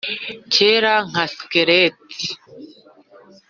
cyera nka skelet